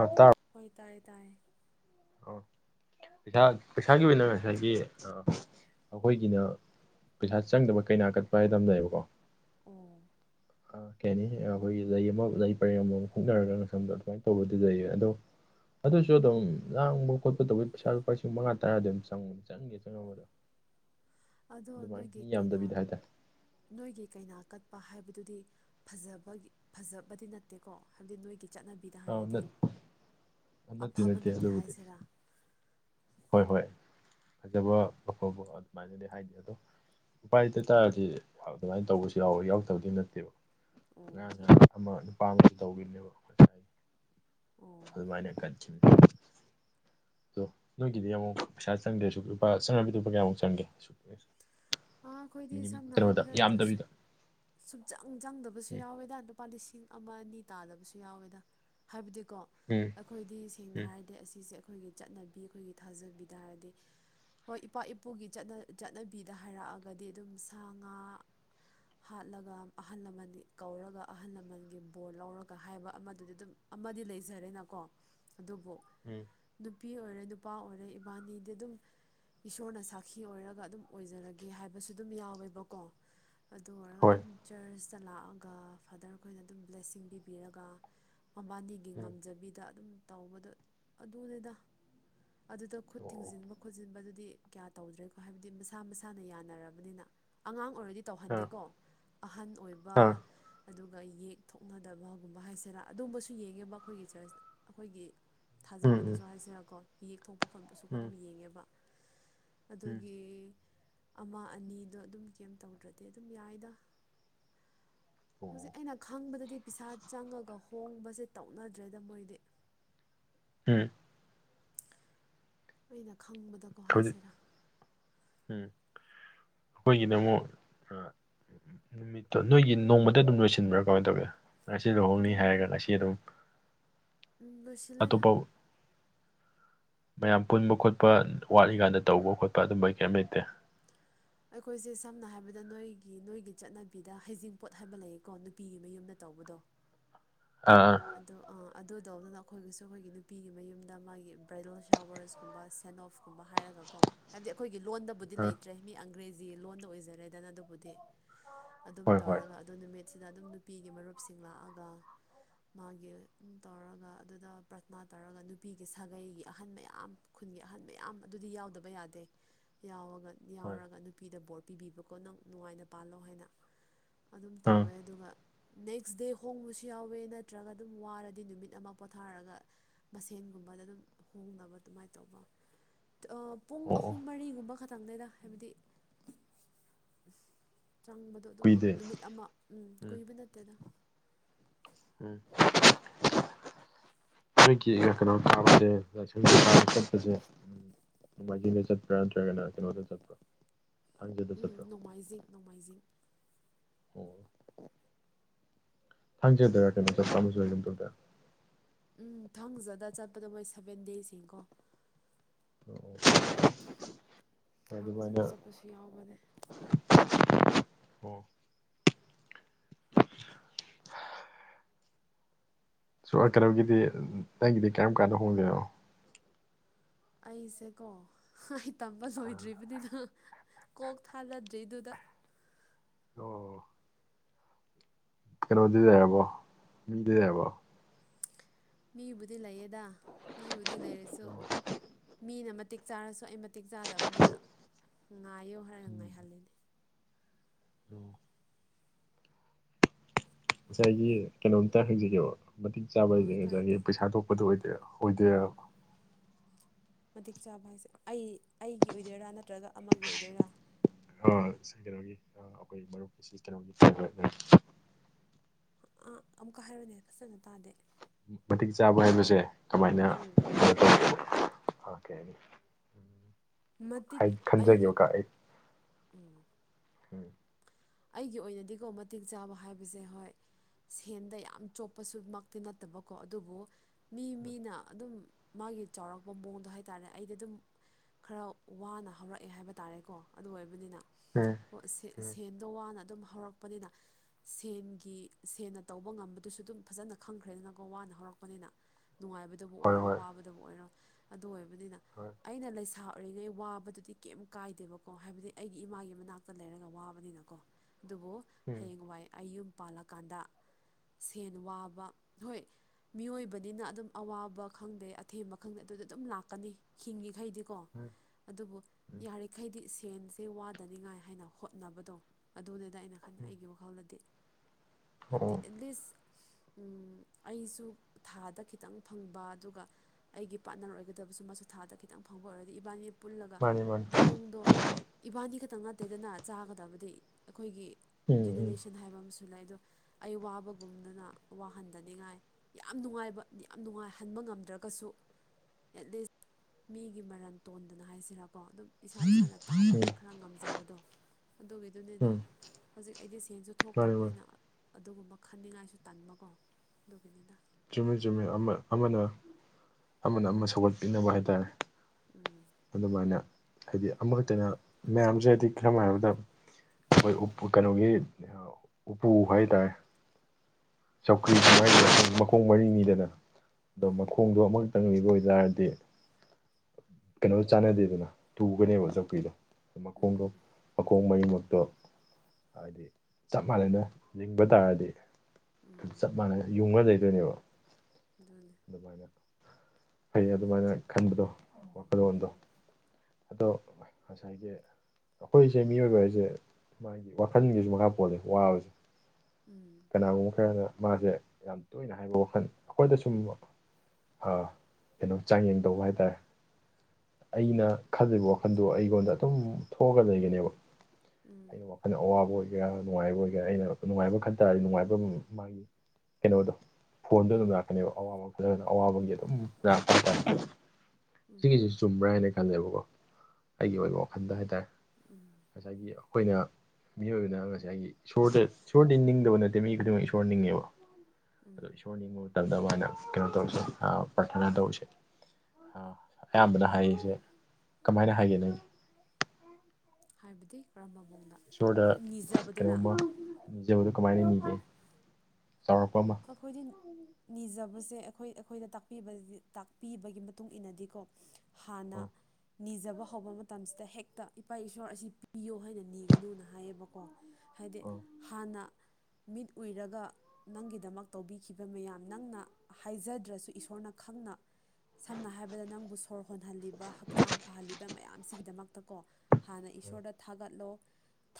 ꯑ ꯇꯥ ꯍꯣꯏ ꯇꯥꯏ ꯇꯥꯏ ꯑꯣ ꯄꯩꯁꯥ ꯄꯩꯁꯥꯒꯤ ꯑꯣꯏꯅ ꯉꯁꯥꯏꯒꯤ ꯑ ꯑꯩꯈꯣꯏꯒꯤꯅ ꯄꯩꯁꯥ ꯆꯪꯗꯕ ꯀꯩꯅꯥ ꯀꯠꯄ ꯍꯥꯏꯗꯕꯅꯦꯕꯀꯣ ꯑꯣ ꯑ ꯀꯩꯅꯤ ꯑꯩꯈꯣꯏꯒꯤ ꯂꯩ ꯑꯃ ꯂꯩ ꯄꯔꯦꯡ ꯑꯃꯃ ꯍꯨꯛꯅꯔꯒ ꯉꯁꯝꯕꯣ ꯑꯗꯨꯃꯥꯏꯅ ꯇꯧꯕꯗꯤ ꯂꯩꯌꯦ ꯑꯗꯣ ꯑꯗꯨꯁꯨ ꯗꯨꯝ ꯂꯥꯡꯕ ꯈꯣꯠꯄ ꯇꯧꯕꯒꯤ ꯄꯩꯁꯥ ꯂꯨꯄꯥ ꯂꯤꯁꯤꯡ ꯃꯉꯥ ꯇꯔꯥꯗꯤ ꯑꯗꯨꯝ ꯆꯪꯕ ꯆꯪꯒꯦ ꯆꯪꯉꯝꯕꯗꯣ ꯑꯗꯣ ꯑꯗꯨꯃꯥꯏꯅ ꯅꯣꯏꯒꯤ ꯃꯤ ꯀꯩꯅꯥ ꯌꯥꯝꯗꯕꯤꯗ ꯍꯥꯏꯇꯥꯔꯦ ꯅꯣꯏꯒꯤ ꯀꯩꯅꯥ ꯀꯠꯄ ꯍꯥꯏꯕꯗꯨꯗꯤ ꯐꯖꯕꯒꯤ ꯐꯖꯕꯗꯤ ꯅꯠꯇꯦꯀꯣ ꯍꯥꯏꯕꯗꯤ ꯅꯣꯏꯒꯤ ꯆꯠꯅꯕꯤ ꯄꯤꯗ ꯑ ꯍꯥꯏꯔꯗꯤ ꯑꯐꯕ ꯅꯠꯇꯦ ꯍꯥꯏꯁꯤꯔꯥ ꯍꯣꯏ ꯍꯣꯏ ꯐꯖꯕ ꯑꯐꯥꯎꯕ ꯑꯗꯨꯃꯥꯏꯅꯗꯤ ꯍꯥꯏꯗꯤ ꯑꯗꯣ ꯎꯄꯥꯏ ꯂꯩꯇ ꯇꯥꯔꯗꯤ ꯑꯗꯨꯃꯥꯏꯅ ꯇꯧꯕꯁꯨ ꯌꯥꯎꯋ ꯌꯥꯎꯔꯛꯇꯕꯗꯤ ꯅꯠꯇꯦꯕ ꯑꯣ ꯑꯉꯥꯡꯅ ꯑꯃ ꯅꯨꯄꯥ ꯑꯃꯁꯨ ꯇꯧꯈꯤꯕꯅꯦꯕ ꯑꯣ ꯑꯗꯨꯃꯥꯏ ꯀ ꯑꯗꯣ ꯅꯣꯏꯒꯤꯗꯤ ꯑꯃꯨꯛ ꯄꯩꯁꯥ ꯆꯪꯗꯦ ꯑꯁꯨꯛ ꯂꯨꯄꯥ ꯆꯪꯅꯕꯤꯗꯄꯥ ꯀꯌꯥꯃꯨꯛ ꯆꯪꯒꯦ ꯑ ꯑꯩꯈꯣꯏꯗꯤ ꯃꯤꯅꯤꯃꯝ ꯁꯝꯅ ꯀꯩꯅꯣꯗ ꯍꯥꯏꯕꯗ ꯌꯥꯝꯗꯕꯤꯗ ꯁꯨꯡꯆꯪ ꯆꯪꯗꯕꯁꯨ ꯌꯥꯎꯋꯦꯗ ꯂꯨꯄꯥ ꯂꯤꯁꯤꯡ ꯑꯃ ꯑꯅꯤ ꯇꯥꯗꯕꯁꯨ ꯌꯥꯎꯋꯦꯗ ꯍꯥꯏꯕꯗꯤꯀꯣ ꯎꯝ ꯑꯩꯈꯣꯏꯗꯤ ꯎꯝ ꯁꯦꯡꯅ ꯎꯝ ꯍꯥꯏꯔꯗꯤ ꯑꯁꯤꯁꯦ ꯑꯩꯈꯣꯏꯒꯤ ꯆꯠꯅꯕꯤ ꯑꯩꯈꯣꯏꯒꯤ ꯊꯥꯖꯕꯤꯗ ꯍꯥꯏꯔꯗꯤ ꯍꯣꯏ ꯏꯄꯥ ꯏꯄꯨꯒꯤꯠ ꯆꯠꯅꯕꯤꯗ ꯍꯥꯏ ꯍꯥꯏꯔꯛꯑꯒꯗꯤ ꯑꯗꯨꯝ ꯁꯥ ꯉꯥ ꯍꯥꯠꯂꯒ ꯑꯍꯜ ꯂꯃꯟ ꯀꯧꯔꯒ ꯑꯍꯜ ꯂꯃꯟꯒꯤ ꯕꯣꯔ ꯂꯧꯔꯒ ꯍꯥꯏꯕ ꯑꯃꯗꯨꯗꯤ ꯑꯗꯨꯝ ꯑꯃꯗꯤ ꯂꯩꯖꯔꯦꯅꯀꯣ ꯑꯗꯨꯕꯨ ꯎꯝ ꯅꯨꯄꯤ ꯑꯣꯏꯔꯦ ꯅꯨꯄꯥ ꯑꯣꯏꯔꯦ ꯏꯕꯥꯅꯤꯗꯤ ꯑꯗꯨꯝ ꯏꯁꯣꯔꯅ ꯁꯥꯈꯤ ꯑꯣꯏꯔꯒ ꯑꯗꯨꯝ ꯑꯣꯏꯖꯔꯒꯦ ꯒꯤ ꯍꯥꯏꯕꯁꯨ ꯑꯗꯨꯝ ꯌꯥꯎꯋꯦꯕꯀꯣ ꯑꯗꯨ ꯑꯣꯏꯔꯒ ꯍꯣꯏ ꯑꯗꯨꯝ ꯆꯔꯁꯇ ꯂꯥꯛꯑꯒ ꯐꯥꯗꯔ ꯈꯣꯏꯅ ꯑꯗꯨꯝ ꯕ꯭ꯂꯦꯁꯤꯡ ꯄꯤꯕꯤꯔꯒ ꯃꯕꯥꯅꯤꯒꯤ ꯎꯝ ꯉꯝꯖꯕꯤꯗ ꯑꯗꯨꯝ ꯇꯧꯕꯗꯣ ꯑꯗꯨꯅꯤꯗ ꯑꯗꯨꯗ ꯈꯨꯠ ꯑꯣ ꯊꯤꯡꯖꯤꯟꯕ ꯈꯣꯆꯤꯟꯕꯗꯨꯗꯤ ꯀꯌꯥ ꯇꯧꯗ꯭ꯔꯦꯀꯣ ꯍꯥꯏꯕꯗꯤ ꯃꯁꯥ ꯃꯁꯥꯅ ꯌꯥꯅꯔꯕꯅꯤꯅ ꯑꯉꯥꯡ ꯑꯣꯏꯔꯗꯤ ꯑꯥ ꯇꯧꯍꯟꯗꯦꯀꯣ ꯑꯍꯟ ꯑꯥ ꯑꯣꯏꯕ ꯑꯗꯨꯒ ꯌꯦꯛ ꯊꯣꯛꯅꯗꯕꯒꯨꯝꯕ ꯍꯥꯏꯁꯤꯔꯥ ꯑꯗꯨꯝꯕꯁꯨ ꯌꯦꯡꯉꯦꯕ ꯑꯩꯈꯣꯏꯒꯤ ꯆꯔꯆ ꯑꯩꯈꯣꯏꯒꯤ ꯎꯝ ꯎꯝ ꯊꯥꯖꯕꯅꯁꯨ ꯍꯥꯏꯖꯔꯀꯣ ꯌꯦꯛ ꯊꯣꯛꯄ ꯈꯣꯠꯄꯁꯨ ꯎꯝ ꯑꯗꯨꯝ ꯌꯦꯡꯉꯦꯕ ꯎꯝ ꯑꯗꯨꯒꯤ ꯑꯃ ꯑꯅꯤꯗꯣ ꯑꯗꯨꯝ ꯀꯩꯝ ꯇꯧꯗ꯭ꯔꯗꯤ ꯑꯗꯨꯝ ꯌꯥꯏꯗ ꯑꯣ ꯍꯧꯖꯤꯛ ꯑꯩꯅ ꯈꯪꯕꯗꯗꯤ ꯄꯩꯁꯥ ꯆꯪꯉꯒ ꯍꯣꯡꯕꯁꯦ ꯇꯧꯅꯗ꯭ꯔꯦꯗ ꯃꯣꯏꯗꯤ ꯎꯝ ꯑꯩꯅ ꯈꯪꯕꯗ ꯍꯧꯖꯤꯛ ꯎꯝ ꯑꯩꯈꯣꯏꯒꯤꯗ ꯑꯃꯨꯛ ꯅꯨꯃꯤꯠꯇꯣ ꯅꯣꯏꯒꯤ ꯅꯣꯡꯃꯗ ꯑꯗꯨꯝ ꯂꯣꯏꯁꯤꯟꯕ꯭ꯔꯥ ꯀꯃꯥꯏꯅ ꯇꯧꯒꯦ ꯉꯁꯤ ꯂꯨꯍꯣꯡꯅꯤ ꯅꯣꯡ ꯍꯥꯏꯔꯒ ꯉꯁꯤ ꯑꯗꯨꯝ ꯎꯝ ꯁ ꯑꯇꯣꯞꯄ ꯃꯌꯥꯝ ꯄꯨꯟꯕ ꯈꯣꯠꯄ ꯋꯥꯠꯂꯤꯀꯥꯟꯗ ꯇꯧꯕ ꯈꯣꯠꯄ ꯑꯗꯨꯝꯕꯒꯤ ꯀꯔꯤꯝ ꯂꯩꯇꯦ ꯑꯩꯈꯣꯏꯁꯦ ꯁꯝꯅ ꯍꯥꯏꯔꯕꯗ ꯅꯣꯏꯒꯤ ꯅꯣꯏꯒꯤ ꯆꯠꯅꯕꯤꯗ ꯍꯩꯖꯤꯡꯄꯣꯠ ꯍꯥꯏꯕ ꯂꯩꯌꯦꯀꯣ ꯅꯨꯄꯤꯒꯤ ꯃꯌꯨꯝꯗ ꯇꯧꯕꯗꯣ ꯑꯥ ꯑꯗ ꯑꯗꯨ ꯇꯧꯗꯅ ꯑꯩꯈꯣꯏꯒꯤꯁꯨ ꯑꯩꯈꯣꯏꯒꯤ ꯅꯨꯄꯤꯒꯤ ꯃꯌꯨꯝꯗ ꯃꯥꯒꯤ ꯕ꯭ꯔꯥꯏꯗꯜ ꯁꯋꯔꯁꯀꯨꯝꯕ ꯁꯦꯟ ꯑꯣꯐ ꯀꯨꯝꯕ ꯍꯥꯏꯔꯒ ꯀꯣ ꯍꯥꯏꯕꯗꯤ ꯑꯩꯈꯣꯏꯒꯤ ꯂꯣꯟꯗꯕꯨ ꯑꯥ ꯑꯥ [unintelligible] ꯑ꯭ꯔꯦꯝ ꯍꯣꯏ ꯍꯣꯏ ꯇꯧꯔ ꯑꯗꯣ ꯅꯨꯃꯤꯠꯁꯤꯗ ꯑꯗꯨꯝ ꯅꯨꯄꯤꯒꯤ ꯃꯔꯨꯞꯁꯤꯡ ꯂꯥꯛꯑꯒ ꯃꯥꯒꯤ ꯇꯧꯔꯒ ꯑꯗꯨꯗ ꯄ꯭ꯔꯊꯅꯥ ꯇꯧꯔꯒ ꯅꯨꯄꯤꯒꯤ ꯁꯥꯒꯩꯒꯤ ꯑꯍꯟ ꯃꯌꯥꯝ ꯈꯨꯟꯒꯤ ꯑꯍꯟ ꯃꯌꯥꯝ ꯑꯗꯨꯗꯤ ꯌꯥꯎꯗꯕ ꯌꯥꯗꯦ ꯌꯥꯎꯔꯒ ꯍꯣꯏ ꯌꯥꯎꯔꯒ ꯅꯨꯄꯤꯗ ꯕꯣꯠ ꯄꯤꯕꯤꯕꯀꯣ ꯅꯪ ꯅꯨꯡꯉꯥꯏꯅ ꯄꯥꯜꯂꯣ ꯍꯥꯏꯅ ꯑꯗꯨꯝ ꯑꯥ ꯇꯧꯋꯦ ꯑꯗꯨꯒ ꯅꯦꯛꯁ ꯗꯦ ꯍꯣꯡꯕꯁꯨ ꯌꯥꯎꯋꯦꯅ ꯅꯠꯇ꯭ꯔꯒ ꯑꯗꯨꯝ ꯋꯥꯔꯗꯤ ꯅꯨꯃꯤꯠ ꯑꯃ ꯄꯣꯊꯥꯔꯒ ꯃꯁꯦꯟꯒꯨꯝꯕꯗ ꯑꯗꯨꯝ ꯍꯣꯡꯅꯕ ꯑꯗꯨꯃꯥꯏꯅ ꯇꯧꯕ ꯄꯨꯡ ꯑꯣ ꯑꯣ ꯑꯍꯨꯝ ꯃꯔꯤꯒꯨꯝꯕ ꯈꯇꯪꯗꯩꯗ ꯍꯥꯏꯕꯗꯤ ꯆꯪꯕ ꯑꯗꯣ ꯑꯗꯨ ꯀꯨꯏꯗꯦ ꯅꯨꯃꯤꯠ ꯑꯃ ꯎꯝ ꯀꯨꯏꯕ ꯅꯠꯇꯦꯅ ꯎꯝ ꯑꯩ ꯀꯩꯅꯣꯥꯦꯦ ꯃꯥꯏꯖꯤꯡꯗ ꯆꯠꯄ꯭ꯔꯥ ꯅꯠꯇ꯭ꯔꯒꯅ ꯀꯩꯅꯣꯗ ꯆꯠꯄ꯭ꯔꯥ ꯊꯥꯡꯖꯗ ꯎꯝ ꯆꯠꯄ꯭ꯔꯥ ꯅꯣꯡꯃꯥꯏꯖꯤꯡ ꯅꯣꯡꯃꯥꯏꯖꯤꯡ ꯑꯣ ꯊꯥꯡꯖꯗꯔꯥ ꯀꯩꯅꯣ ꯆꯞꯄ ꯑꯃꯁꯨ ꯂꯩ ꯑꯗꯨꯝ ꯇꯧꯗꯔꯥ ꯎꯝ ꯊꯪꯖꯗ ꯆꯠꯄꯗꯣ ꯃꯣꯏ ꯁꯚꯦꯟ ꯗꯦꯖ ꯌꯦꯡꯀꯣ [inaudible] ꯑꯣ ꯊꯥꯡꯖꯗ ꯑꯗꯨꯃꯥꯏꯅ ꯆꯠꯄꯁꯨ ꯌꯥꯎꯕꯅꯦ ꯑꯣ [inaudible] ꯁꯣꯛꯂꯛꯀꯗꯕꯒꯤꯗꯤ ꯅꯪꯒꯤꯗꯤ ꯀꯔꯝ ꯀꯥꯟꯗ ꯍꯣꯡꯗꯦꯅꯣ ꯑꯩꯁꯦꯀꯣ ꯑꯩ ꯇꯝꯕ ꯁꯣꯏꯗ꯭ꯔꯤꯕꯅꯤꯅ ꯀꯣꯛ ꯊꯥꯜꯂꯗ꯭ꯔꯤꯗꯨꯗ ꯑꯣ ꯀꯩꯅꯣꯗꯤꯗ ꯌꯥꯕꯣꯗꯤꯗ ꯌꯥꯕꯣ ꯃꯤꯕꯨꯗꯤ ꯂꯩꯌꯦꯗ ꯃꯤꯕꯨꯗꯤ ꯂꯩꯔꯁꯨ ꯃꯤꯅ ꯃꯇꯤꯛ ꯃꯇꯤꯛ ꯆꯥꯔꯁꯨ ꯑꯩ ꯃꯇꯤꯛ ꯆꯥꯗꯕꯅꯤꯅ ꯉꯥꯏꯌꯨ ꯍꯥꯏꯔꯒ ꯉꯥꯏꯍꯜꯂꯤꯅꯦ ꯎꯝ ꯉꯁꯥꯏꯒꯤ ꯀꯩꯅꯣꯝꯇ ꯍ ꯪꯖꯒꯦꯕ ꯃꯇꯤꯛ ꯆꯥꯕ ꯍꯣꯏ ꯍꯥꯏꯁꯦ ꯍꯣꯏ ꯀꯥꯏꯗꯦ ꯉꯁꯥꯏꯒꯤ ꯄꯩꯁꯥ ꯊꯣꯛ ꯑꯘꯨ ꯑꯣꯏꯗꯣꯏꯔꯣ ꯑꯣꯏꯗꯣꯏꯔꯣꯕ ꯃꯇꯤꯛ ꯆꯥꯕ ꯍꯥꯏꯁꯦ ꯑꯩ ꯑꯩꯒꯤ ꯑꯣꯏꯗꯣꯏꯔꯥ ꯅꯠꯇ꯭ꯔꯒ ꯑꯃꯒꯤ ꯑꯣꯏꯗꯣꯏꯔꯥ ꯁꯤ ꯀꯩꯅꯣꯒꯤ ꯑꯩꯈꯣꯏ ꯃꯔꯨꯞꯁꯤ ꯀꯩꯅꯣꯒꯤꯅ ꯑꯥ ꯑꯃꯨꯛꯀ ꯍꯥꯏꯔꯨꯅꯦ ꯐꯖꯅ ꯇꯥꯗꯦ ꯃꯇꯤꯛ ꯆꯥꯕ ꯍꯥꯏꯕꯁꯦ ꯀꯃꯥꯏꯅ ꯎꯝ [unintelligible] ꯃꯇꯤꯛ ꯍꯥꯏ ꯑꯩꯒꯤ ꯈꯟꯖꯒꯦꯕꯀꯣ ꯑꯩ ꯎꯝ [inaudible] ꯑꯩꯒꯤ ꯑꯣꯏꯅꯗꯤꯀꯣ ꯃꯇꯤꯛ ꯆꯥꯕ ꯍꯥꯏꯕꯁꯦ ꯍꯣꯏ ꯁꯦꯟꯗ ꯌꯥꯝ ꯆꯣꯞꯄꯁꯨꯃꯛꯇꯤ ꯅꯠꯇꯕꯀꯣ ꯑꯗꯨꯕꯨ ꯃꯤ ꯃꯤꯅ ꯑꯗꯨꯝ ꯃꯥꯒꯤ ꯆꯥꯎꯔꯛꯄ ꯃꯑꯣꯡꯗꯣ ꯍꯥꯏꯇꯥꯔꯦ ꯑꯩꯗꯤ ꯑꯗꯨꯝ ꯈꯔ ꯋꯥꯅ ꯍꯧꯔꯛꯑꯦ ꯍꯥꯏꯕ ꯇꯥꯔꯦꯀꯣ ꯑꯗꯨ ꯑꯣꯏꯕꯅꯤꯅ ꯎꯝ ꯎꯝ ꯁꯦꯟ ꯑ ꯗꯣ ꯋꯥꯅ ꯑꯗꯨꯝ ꯍꯧꯔꯛꯄꯅꯤꯅ ꯁꯦꯟꯒꯤ ꯁꯦꯟꯅ ꯇꯧꯕ ꯉꯝꯕꯗꯨꯁꯨ ꯑꯗꯨꯝ ꯐꯖꯅ ꯈꯪꯈ꯭ꯔꯦꯗꯅꯀ ꯋꯥꯅ ꯍꯧꯔꯛꯄꯅꯤꯅ ꯅꯨꯡꯉꯥꯏꯕꯗꯕꯨ ꯍꯣꯏ ꯑꯣꯏꯔꯣ ꯍꯣꯏ ꯋꯥꯕꯗꯕꯨ ꯑꯣꯏꯔꯣ ꯑꯗꯨ ꯑꯣꯏꯕꯅꯤꯅ ꯍꯣꯏ ꯑꯩꯅ ꯂꯩꯁꯥ ꯑꯣꯏꯔꯤꯉꯩ ꯋꯥꯕꯗꯨꯗꯤ ꯀꯩꯝ ꯀꯥꯏꯗꯦꯕꯀꯣ ꯍꯥꯏꯕꯗꯤ ꯑꯩꯒꯤ ꯏꯃꯥꯒꯤ ꯃꯅꯥꯛꯇ ꯂꯩꯔꯒ ꯋꯥꯕꯅꯤꯅ ꯀꯣ ꯑꯗꯨꯕꯨ ꯎꯝ ꯍꯌꯦꯡꯋꯥꯏ ꯑꯩ ꯌꯨꯝ ꯄꯥꯜꯂꯀꯥꯟꯗ ꯁꯦꯟ ꯋꯥꯕ ꯍꯣꯏ ꯃꯤꯑꯣꯏꯕꯅꯤꯅ ꯑꯗꯨꯝ ꯑꯋꯥꯕ ꯈꯪꯗꯦ ꯑꯊꯦꯝꯕ ꯈꯪꯗꯦ ꯑꯗꯨꯗꯤ ꯑꯗꯨꯝ ꯂꯥꯛꯀꯅꯤ ꯍꯤꯡꯉꯤꯈꯩꯗꯤꯀꯣ ꯎꯝ ꯑꯗꯨꯕꯨ ꯎꯝ ꯌꯥꯔꯤꯈꯩꯗꯤ ꯁꯦꯟꯁꯦ ꯋꯥꯗꯅꯤꯉꯥꯏ ꯍꯥꯏꯅ ꯍꯣꯠꯅꯕꯗꯣ ꯑꯗꯨꯅꯦ ꯑꯗ ꯑꯩꯅ ꯈꯟ ꯎꯝ ꯑꯩꯒꯤ ꯋꯥꯈꯜꯗꯗꯤ ꯍꯥꯏꯕꯗꯤ ꯑꯣ ꯑꯦꯠꯂꯤꯁ ꯎꯝ ꯑꯩꯁꯨ ꯊꯥꯗ ꯈꯤꯇꯪ ꯐꯪꯕ ꯑꯗꯨꯒ ꯑꯩꯒꯤ ꯄꯥꯔꯠꯅꯔ ꯑꯣꯏꯒꯗꯕꯁꯨ ꯃꯁꯨ ꯊꯥꯗ ꯈꯤꯇꯪ ꯐꯪꯕ ꯑꯣꯏꯔꯗꯤ ꯏꯕꯥꯅꯤ ꯄꯨꯜꯂꯒ ꯃꯥꯅꯤ ꯃꯥꯅꯤ ꯏꯕꯨꯡꯗꯣ ꯏꯕꯥꯅꯤ ꯈꯛꯇꯪ ꯅꯠꯇꯦꯗꯅ ꯆꯥꯒꯗꯕꯗꯤ ꯑꯩꯈꯣꯏꯒꯤ ꯎꯝ ꯎꯝ ꯖꯦꯅꯦꯔꯦꯁꯟ ꯍꯥꯏꯕ ꯑꯃꯁꯨ ꯂꯩ ꯑꯗꯣ ꯑꯩ ꯋꯥꯕꯒꯨꯝꯗꯅ ꯋꯥꯍꯟꯗꯅꯤꯡꯉꯥꯏ ꯌꯥꯝ ꯅꯨꯡꯉꯥꯏꯕ ꯌꯥꯝ ꯅꯨꯡꯉꯥꯏꯍꯟꯕ ꯉꯝꯗ꯭ꯔꯒꯁꯨ ꯑꯦꯠꯂꯤꯁ ꯃꯤꯒꯤ ꯃꯔꯟ ꯇꯣꯟꯗꯅ ꯍꯥꯏꯁꯤꯔꯥꯀꯣ ꯑꯗꯨꯝ ꯏꯁꯥ ꯏꯁꯥꯅ ꯎꯝ ꯇꯥꯜꯂꯒ ꯈꯔ ꯉꯝꯖꯕꯗꯣ ꯑꯗꯨꯒꯤꯗꯨꯅꯤꯗ ꯎꯝ ꯍꯧꯖꯤꯛ ꯑꯩꯗꯤ ꯁꯦꯟꯁꯨ ꯃꯥꯅꯤ ꯃꯥꯅꯤ ꯊꯣꯛꯇꯕꯅꯤꯅ ꯑꯗꯨꯒꯨꯝꯕ ꯈꯟꯅꯤꯡꯉꯥꯏꯁꯨ ꯇꯟꯕꯀꯣ ꯑꯗꯨꯒꯤꯅꯤꯅ ꯆꯨꯝꯃꯦ ꯆꯨꯝꯃꯦ ꯑꯃ ꯑꯃꯅ ꯑꯃꯅ ꯑꯃ ꯁꯧꯒꯠꯄꯤꯅꯕ ꯍꯥꯏꯇꯥꯔꯦ ꯎꯝ ꯑꯗꯨꯃꯥꯏꯅ ꯍꯥꯏꯗꯤ ꯑꯃꯈꯛꯇꯅ ꯃꯌꯥꯝꯁꯦ ꯍꯥꯏꯗꯤ ꯀꯔꯝ ꯍꯥꯏꯔꯕꯗ ꯑꯩꯈꯣꯏ ꯎꯄꯨ ꯀꯩꯅꯣꯒꯤ ꯎꯄꯨ ꯍꯥꯏꯇꯥꯔꯦ ꯆꯧꯀꯤ꯭ꯔꯤ ꯃꯈꯣꯡ ꯃꯔꯤꯅꯤꯗꯅ ꯑꯗꯣ ꯎꯝ ꯃꯈꯣꯡꯗꯣ ꯑꯃꯨꯛ ꯆꯪꯉꯨꯕ ꯑꯣꯏꯇꯥꯔꯗꯤ ꯀꯩꯅꯣ ꯆꯥꯟꯅꯗꯦꯗꯅ ꯇꯨꯒꯅꯦꯕ ꯎꯝ ꯆꯧꯀ꯭ꯔꯤꯘꯣ ꯃꯈꯣꯡꯗꯣ ꯎꯝ ꯃꯈꯈꯣꯡ ꯃꯔꯤꯃꯛꯇꯣ ꯍꯥꯏꯗꯤ ꯆꯞ ꯃꯥꯟꯅꯅ ꯂꯤꯡꯕ ꯇꯥꯔꯗꯤ ꯎꯝ ꯆꯞ ꯃꯥꯟꯅꯅ ꯌꯨꯡꯉ ꯂꯩꯗꯣꯏꯅꯦꯕ ꯑꯗꯨꯅꯦ ꯑꯗꯨꯃꯥꯏꯅ ꯐꯩ ꯑꯗꯨꯃꯥꯏꯅ ꯈꯟꯕꯗꯣ ꯋꯥꯈꯜꯂꯣꯟꯗꯣ ꯎꯝ ꯑꯗꯣ ꯉꯁꯥꯏꯒꯤ ꯑꯩꯈꯣꯏꯁꯦ ꯃꯤꯑꯣꯏꯕ ꯍꯥꯏꯁꯦ ꯃꯥꯒꯤ ꯋꯥꯈꯜꯒꯤꯁꯨ ꯃꯈꯥ ꯄꯣꯜꯜꯂꯤꯦ ꯋꯥꯕꯖꯦ ꯎꯝ ꯀꯅꯥꯒꯨꯝꯕ ꯈꯔꯅ ꯃꯥꯁꯦ ꯌꯥꯝ ꯇꯣꯏꯅ ꯍꯥꯏꯕ ꯋꯥꯈꯜ ꯑꯩꯈꯣꯏꯗ ꯁꯨꯝ ꯀꯩꯅꯣꯝ ꯆꯥꯡꯌꯦꯡ ꯇꯧꯕ ꯍꯥꯏꯇꯥꯔꯦ ꯑꯩꯅ ꯈꯟꯜꯂꯤꯕ ꯋꯥꯈꯟꯗꯣ ꯑꯩꯉꯣꯟꯗ ꯑꯗꯨꯝ ꯊꯣꯛꯑꯒ ꯂꯩꯒꯅꯦꯕ ꯎꯝ ꯑꯩꯅ ꯐꯅ ꯑꯋꯥꯕ ꯑꯣꯏꯒꯦꯔꯥ ꯅꯨꯡꯉꯥꯏꯕ ꯑꯣꯏꯒꯦꯔꯥ ꯑꯩꯅ ꯅꯨꯡꯉꯥꯏꯕ ꯈꯟ ꯇꯥꯔꯗꯤ ꯅꯨꯡꯉꯥꯏꯕ ꯃꯥꯒꯤ ꯀꯩꯅꯣꯗꯣ ꯐꯣꯟꯗꯣ ꯑꯗꯨꯝ ꯎꯝ ꯂꯥꯛꯀꯅꯦꯕ ꯑꯋꯥꯕ ꯈ ꯑꯋꯥꯕꯒꯤ ꯑꯗꯨꯝ ꯂꯥꯛꯄ ꯍꯥꯏꯇꯥ ꯎꯝ ꯁꯤꯒꯤꯁꯤ ꯆꯨꯝꯕ꯭ꯔꯥ ꯍꯥꯏꯅ ꯈꯜꯂꯦꯕꯀꯣ ꯑꯩꯒꯤ ꯑꯣꯏꯕ ꯋꯥꯈꯟꯗ ꯍꯥꯏꯇꯥꯔꯦ ꯎꯝ ꯉꯁꯥꯏꯒꯤ ꯑꯩꯈꯣꯏꯅ ꯃꯤꯑꯣꯏꯕꯅ ꯉꯁꯥꯏꯒꯤ ꯏꯁꯣꯔꯗ ꯏꯁꯣꯔꯗꯤ ꯅꯤꯡꯗꯕ ꯅꯠꯇꯦ ꯃꯤ ꯈꯨꯗꯤꯡꯃꯛ ꯏꯁꯣꯔ ꯅꯤꯡꯉꯦꯕ ꯑꯣ ꯎꯝ ꯏꯁꯣꯔ ꯅꯤꯉꯣꯜ ꯇꯅꯕ ꯍꯥꯏꯅ ꯀꯩꯅꯣ ꯇꯧꯔꯤꯁꯦ ꯄꯔꯊꯅꯥ ꯇꯧꯔꯤꯁꯦ ꯑꯌꯥꯝꯕꯅ ꯍꯥꯏꯔꯤꯁꯦ ꯀꯃꯥꯏꯅ ꯍꯥꯏꯒꯦ ꯅꯪ ꯍꯥꯏꯕꯗꯤ ꯀꯔꯝꯕ ꯃꯑꯣꯡꯗ ꯅꯤꯖꯕꯗꯨꯔ ꯅꯤꯖꯕꯘꯣ ꯀꯃꯥꯏꯅ ꯅꯤꯒꯦ ꯆꯥꯎꯔꯛꯄ ꯑꯃ ꯑꯩꯈꯣꯏꯗꯤ ꯅꯤꯖꯕꯁꯦ ꯑꯩꯈꯣꯏ ꯑꯩꯈꯣꯏꯗ ꯇꯥꯛꯄꯤ ꯇꯥꯛꯄꯤꯕꯒꯤ ꯃꯇꯨꯡ ꯏꯟꯅꯗꯤꯀꯣ ꯍꯥꯟꯅ ꯎꯝ ꯅꯤꯖꯕ ꯍꯧꯕ ꯃꯇꯝꯁꯤꯗ ꯍꯦꯛꯇ ꯏꯄꯥ ꯏꯁ ꯏꯁꯣꯔ ꯑꯁꯤ ꯄꯤꯌꯣ ꯍꯥꯏꯅ ꯅꯤꯒꯅꯨꯅ ꯍꯥꯏꯌꯦꯕꯀꯣ ꯍꯥꯏꯗꯤ ꯎꯝ ꯍꯥꯟꯅ ꯃꯤꯠ ꯎꯏꯔꯒ ꯅꯪꯒꯤ ꯗꯃꯛ ꯇꯧꯕꯤꯈꯤꯕ ꯃꯌꯥꯝ ꯅꯪꯅ ꯍꯥꯏꯖꯗ꯭ꯔꯁꯨ ꯏꯁꯣꯔꯅ ꯈꯪꯅ ꯁꯝꯅ ꯍꯥꯏꯔꯕꯗ ꯅꯪꯕꯨ ꯁꯣꯔ ꯍꯣꯟꯍꯜꯂꯤꯕ ꯍꯛꯆꯥꯡ ꯐꯍꯜꯂꯤꯕ ꯃꯌꯥꯝꯁꯤꯒꯤꯗꯃꯛ ꯀꯣ ꯍꯥꯟꯅ ꯎꯝ ꯏꯁꯣꯔꯗ ꯊꯥꯒꯠꯂꯣ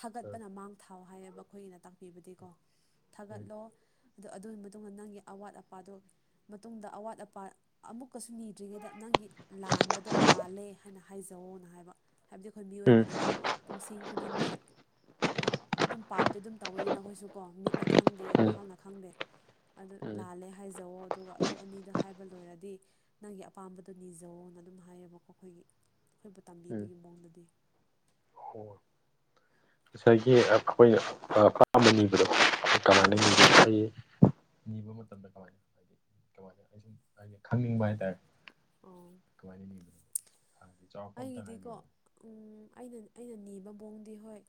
ꯊꯥꯒꯠꯄꯅ ꯃꯥꯡ ꯊꯥꯎ ꯍꯥꯏꯌꯦꯕ ꯑꯩꯈꯣꯏꯒꯤꯅ ꯇꯥꯛꯄꯤꯕꯗꯤꯀꯣ ꯎꯝ ꯊꯥꯒꯠꯂꯣ ꯑꯗ ꯑꯗꯨꯒꯤ ꯃꯇꯨꯡꯗ ꯅꯪꯒꯤ ꯑꯋꯥꯠ ꯑꯄꯥꯗꯨ ꯃꯇꯨꯡꯗ ꯑꯋꯥꯠ ꯑꯄꯥ ꯑꯃꯨꯛꯀꯁꯨ ꯅꯤꯗ꯭ꯔꯤꯉꯩꯗ ꯅꯪꯒꯤ ꯂꯥꯟꯕꯗꯣ ꯂꯥꯜꯂꯦ ꯍꯥꯏꯅ ꯍꯥꯏꯖꯑꯣꯅ ꯍꯥꯏꯕ ꯍꯥꯏꯕꯗꯤ ꯑꯩꯈꯣꯏ ꯃꯤꯑꯣꯏꯕꯅꯤꯅ ꯄꯨꯡꯁꯤꯡ ꯈꯨꯗꯤꯡꯒꯤ ꯑꯗꯨꯝ ꯄꯥꯞꯇꯤ ꯑꯗꯨꯝ ꯇꯧꯋꯦꯅꯤ ꯅꯈꯣꯏꯁꯨꯀꯣ ꯃꯤꯠꯅ ꯈꯪꯗꯦ ꯎꯝ ꯋꯥꯈꯜꯅ ꯈꯪꯗꯦ ꯑꯗꯨ ꯎꯝ ꯂꯥꯜꯂꯦ ꯍꯥꯏꯖꯋꯣ ꯑꯗꯨꯒ ꯑꯗꯨ ꯑꯅꯤꯗ ꯍꯥꯏꯕ ꯂꯣꯏꯔꯗꯤ ꯅꯪꯒꯤ ꯑꯄꯥꯝꯕꯗꯨꯣ ꯅꯤꯖꯧꯅ ꯑꯗꯨꯝ ꯍꯥꯏꯌꯦꯕꯀꯣ ꯑꯩꯈꯣꯏꯒꯤ ꯑꯩꯈꯣꯏꯕꯨ ꯎꯝ ꯇꯝꯕꯤꯕꯒꯤ ꯃꯑꯣꯡꯗꯗꯤ ꯉꯁꯥꯏꯒꯤ ꯑꯩꯈꯣꯏꯅ ꯄꯄꯥꯝꯕ ꯅꯤꯕꯗꯣ ꯀꯃꯥꯏꯅ ꯕ ꯎꯝ ꯍꯥꯏꯌꯦ ꯅꯤꯕ ꯃꯇꯝꯗ ꯀꯃꯥꯏꯅ ꯍꯥꯏꯗꯤ ꯀꯃꯥꯏ ꯑꯩ ꯁꯨꯝ ꯍꯥꯏꯗꯤ ꯈꯪꯅꯤꯡꯕ ꯍꯥꯏꯇꯥꯔꯦ [inaudible] ꯑꯣ ꯑꯩꯒꯤꯗꯤꯀꯣ ꯍꯥꯏꯕꯤꯔꯛꯑꯣ ꯎ ꯑꯩꯅ ꯑꯩꯅ ꯅꯤꯕ ꯃꯣꯡꯗꯤ ꯍꯣꯏ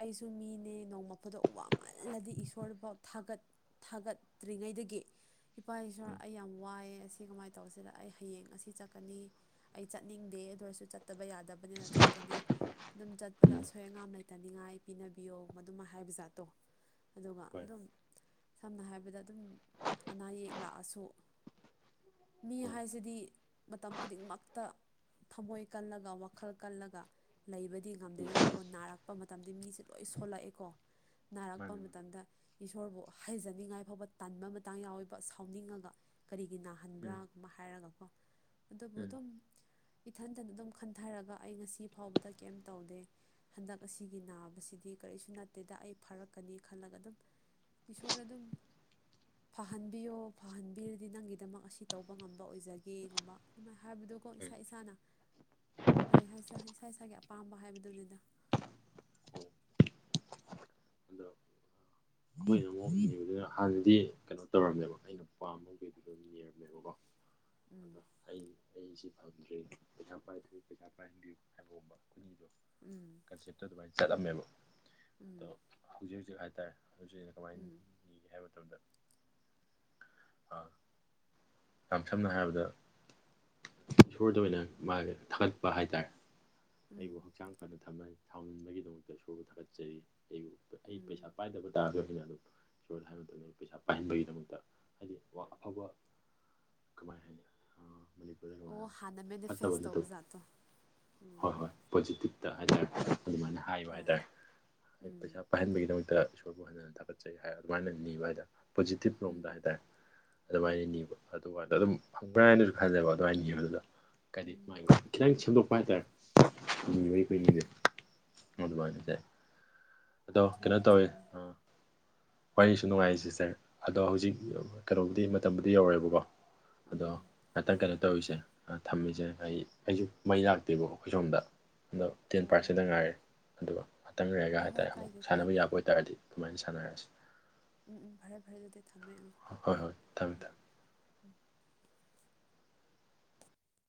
ꯑꯩꯁꯨ ꯃꯤꯅꯦ ꯅꯣꯡꯃ ꯐꯗꯣ ꯋꯥꯃꯜꯂꯗꯤ ꯏꯁꯣꯔꯐꯥꯎ ꯊꯥꯒꯠ ꯊꯥꯒꯠꯇ꯭ꯔꯤꯉꯩꯗꯒꯤ ꯏꯄꯥ ꯏꯁꯨꯣꯔ ꯎꯝ ꯑꯩ ꯌꯥꯝ ꯋꯥꯏꯑ ꯑꯁꯤ ꯀꯃꯥꯏꯅ ꯇꯧꯁꯤꯗ ꯑꯩ ꯍꯌꯦꯡ ꯑꯁꯤ ꯆꯠꯀꯅꯤ ꯑꯩ ꯆꯠꯅꯤꯡꯗꯦ ꯑꯗꯨ ꯑꯣꯏꯔꯁꯨ ꯆꯠꯇꯕ ꯌꯥꯗꯕꯅꯤꯅ ꯆꯠꯀꯅꯤ ꯑꯗꯨꯝ ꯆꯠꯄꯗ ꯑꯁꯣꯏ ꯑꯉꯥꯝ ꯂꯩ ꯇꯅꯤꯡꯉꯥꯏ ꯄꯤꯅꯕꯤꯌꯣ ꯃꯗꯨꯃ ꯍꯥꯏꯕ ꯖꯥꯠꯇꯣ ꯑꯗꯨꯒ ꯑꯗꯨꯝ ꯁꯝꯅ ꯍꯥꯏꯔꯕꯗ ꯑꯗꯨꯝ ꯑꯅꯥ ꯑꯌꯦꯛ ꯂꯥꯛꯑꯁꯨ ꯃꯤ ꯍꯥꯏꯁꯤꯗꯤ ꯃꯇꯝ ꯈꯨꯗꯤꯡꯃꯛꯇ ꯊꯃꯣꯏ ꯀꯜꯂꯒ ꯋꯥꯈꯜ ꯀꯜꯂꯒ ꯂꯩꯕꯗꯤ ꯉꯝꯗꯦꯗꯅꯀꯣ ꯅꯥꯔꯛꯄ ꯃꯇꯝꯗ ꯃꯤꯁꯦ ꯂꯣꯏ ꯁꯣꯜꯂꯛꯑꯦꯀꯣ ꯅꯥꯔꯛꯄ ꯃꯥꯅꯦ ꯃꯥꯅꯦ ꯃꯇꯝꯗ ꯏꯁꯣꯔꯕꯨ ꯍꯩꯖꯅꯤꯡꯉꯥꯏ ꯐꯥꯎꯕ ꯇꯟꯕ ꯃꯇꯥꯡ ꯌꯥꯎꯋꯦꯕ ꯁꯥꯎꯅꯤꯡꯉꯒ ꯀꯔꯤꯒꯤ ꯎꯝ ꯅꯥꯍꯟꯕ꯭ꯔꯥꯒꯨꯝꯕ ꯍꯥꯏꯔꯒꯀꯣ ꯑꯗꯨꯕꯨ ꯎꯝ ꯎꯝ ꯑꯗꯨꯝ ꯏꯊꯟ ꯠꯇꯅ ꯑꯗꯨꯝ ꯈꯟꯊꯔꯒ ꯑꯩ ꯉꯁꯤ ꯐꯥꯎꯕꯗ ꯀꯩꯝ ꯇꯧꯗꯦ ꯍꯟꯗꯛ ꯑꯁꯤꯒꯤ ꯅꯥꯕꯁꯤꯗꯤ ꯀꯔꯤꯁꯨ ꯅꯠꯇꯦꯗ ꯑꯩ ꯐꯥꯔꯛꯀꯅꯤ ꯈꯜꯂꯒ ꯑꯗꯨꯝ ꯏꯁꯣꯔ ꯑꯗꯨꯝ ꯐꯍꯟꯕꯤꯌꯣ ꯐꯍꯟꯕꯤꯔꯗꯤ ꯅꯪꯒꯤꯗꯃꯛ ꯑꯁꯤ ꯇꯧꯕ ꯉꯝꯕ ꯑꯣꯏꯖꯒꯦꯒꯨꯝꯕ ꯑꯗꯨꯃꯥꯏꯅ ꯍꯥꯏꯕꯗꯣꯀꯣ ꯏꯁꯥ ꯏꯁꯥꯅ ꯑꯗꯨꯝ ꯐꯔꯦ ꯍꯥꯏꯁꯤꯔ ꯏꯁꯥ ꯏꯁꯥꯒꯤ ꯑꯄꯥꯝꯕ ꯍꯥꯏꯕꯗꯨꯅꯤꯗ ꯑꯗꯣ [inaudible] ꯑꯩꯈꯣꯏꯅ ꯑꯃꯨꯅꯦꯕ ꯑꯗꯨꯅ ꯍꯥꯟꯅꯗꯤ ꯀꯩꯅꯣ ꯇꯧꯔꯝꯃꯦꯕ ꯑꯩꯅ ꯅꯨꯄꯥꯝꯝꯕꯒꯤꯗꯨ ꯑꯗꯨꯝ ꯕ ꯎꯝ ꯑꯩ ꯑꯩꯁꯤ ꯐꯪꯗ꯭ꯔꯤ ꯄꯩꯁꯥ ꯄꯥꯏꯗ꯭ꯔꯤꯨ ꯄꯩꯁꯥ ꯄꯥꯏꯍꯟꯕꯤꯌꯨ ꯍꯥꯏꯕꯒꯨꯝꯕ ꯈꯨꯅꯤꯗꯣ ꯎꯝ ꯀꯟꯁꯦꯞꯇ ꯑꯗꯨꯃꯥꯏꯅ ꯆꯠꯂꯝꯃꯦꯕ ꯑꯗꯣ ꯎꯝ ꯍꯧꯖꯤꯛ ꯍꯧꯖꯤꯛ ꯍꯥꯏꯇꯥꯔꯦ ꯍꯧꯖꯤꯛ ꯀꯃꯥꯏꯅ ꯎꯝ ꯅꯤꯒꯦ ꯍꯥꯏꯕ ꯃꯇꯝꯗ ꯑꯥ ꯌꯥꯝ ꯁꯝꯅ ꯍꯥꯏꯔꯕꯗ ꯏꯁꯣꯔꯗ ꯑꯣꯏꯅ ꯃꯥꯁꯦ ꯊꯥꯒꯠꯄ ꯍꯥꯏꯇꯥꯔꯦ ꯑꯩꯕꯨ ꯎꯝ ꯍꯛꯆꯥꯡ ꯐꯅ ꯊꯝꯅꯩ ꯁꯥꯎꯅꯤꯡꯕꯒꯤꯗꯃꯛꯇꯁꯨ ꯊꯥꯒꯠꯆꯔꯤ ꯑꯩꯕꯨ ꯑꯩ ꯄꯩꯁꯥ ꯎꯝ ꯄꯥꯏꯗꯕ [unintelligible] ꯀꯃꯥꯏ ꯍꯥꯏꯅꯤ ꯑꯥ ꯃꯅꯤ ꯑꯣ ꯍꯥꯟꯅ ꯃꯦꯅꯤꯐꯦꯁ ꯇꯧꯕ ꯖꯥꯠꯇꯣ ꯍꯣꯏ ꯎꯝ ꯍꯣꯏ ꯄꯣꯖꯤꯇꯤꯞꯇ ꯍꯥꯏꯇꯥꯔꯦ ꯑꯗꯨꯃꯥꯏꯅ ꯍꯥꯏꯕ ꯍꯣꯏ ꯍꯥꯏꯇꯥꯔꯦ ꯑꯩ ꯄꯩꯁꯥ ꯎꯝ ꯄꯥꯏꯍꯟꯕꯒꯤꯗꯃꯛꯇ ꯏꯁꯣꯔꯕꯨ ꯍꯟꯅ ꯍꯟꯅ ꯊꯥꯒꯠꯆꯩ ꯍꯥꯏ ꯑꯗꯨꯃꯥꯏꯅ ꯅꯤꯕ ꯍꯥꯏꯅ ꯄꯣꯖꯤꯇꯤꯕ ꯂꯣꯝꯗ ꯎꯝ ꯍꯥꯏꯇꯥꯔꯦ ꯑꯗꯨꯃꯥꯏꯅ ꯎꯝ ꯅꯤꯕ ꯑꯗꯨꯗꯣ ꯑꯗꯨꯝ ꯐꯪꯕ꯭ꯔꯥ ꯍꯥꯏꯅꯁꯨ ꯈꯟꯖꯕ ꯑꯗꯨꯃꯥꯏꯅꯤ ꯌꯦꯕ ꯑꯗꯨꯗ ꯍꯥꯏꯗꯤ ꯎꯝ ꯃꯥꯒꯤ ꯈꯤꯇꯪ ꯁꯦꯝꯗꯣꯛꯄ ꯍꯥꯏꯇꯥꯔꯦ ꯍꯣꯏ ꯚꯔꯤ ꯀꯅꯤꯕ ꯃꯗꯨꯅ ꯆꯥꯏ ꯑꯗꯣ ꯀꯩꯅꯣ ꯆꯨꯝꯃꯦ ꯇꯧꯋꯤ ꯆꯨꯝꯃꯦ ꯑ [inaudible] ꯋꯥꯔꯤꯁꯨ ꯅꯨꯡꯉꯥꯏꯦꯇꯔ ꯑꯗꯣ ꯍꯧꯖꯤꯛ ꯀꯩꯅꯣꯕꯨꯗꯤ ꯃꯇꯝꯕꯨꯗꯤ ꯌꯧꯔꯦꯕꯀꯣ ꯑꯗꯣ ꯎꯝ ꯉꯥꯛꯇꯪ ꯀꯩꯅꯣ ꯇꯧꯔꯤꯁꯦ ꯊꯝꯃꯤꯖꯦ ꯑꯩ ꯑꯩꯁꯨ ꯃꯩ ꯂꯥꯛꯇꯦꯕ ꯑꯩꯈꯣꯏ ꯁꯣꯝꯗ ꯑꯗꯣ ꯇꯦꯟ ꯑꯣ ꯑꯣ ꯄꯥꯔꯁꯦꯟꯗ ꯉꯥꯏꯔꯦ ꯑꯗꯨꯒ ꯑꯇꯪ ꯂꯩꯔꯒ ꯍꯣꯏ ꯍꯣꯏ ꯍꯥꯏꯇꯥꯔꯦ ꯑꯃꯨꯛ ꯀꯥꯏꯗꯦ ꯁꯥꯟꯅꯕ ꯀꯥꯏꯗꯦ ꯌꯥꯕ ꯑꯣꯏꯕꯇꯥꯔꯗꯤ ꯑꯗꯨꯃꯥꯏꯅ ꯁꯥꯟꯅꯔꯁꯤ ꯎꯝ ꯎꯝ ꯐꯔꯦ ꯐꯔꯦ ꯑꯗꯨꯗꯤ ꯊꯝꯃꯦ ꯑꯥ ꯍꯣꯏ ꯍꯣꯏ ꯊꯝꯃꯦ ꯊꯝꯃꯦ